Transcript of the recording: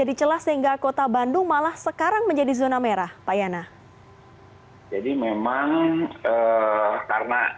dicelas sehingga kota bandung malah sekarang menjadi zona merah payana jadi memang karena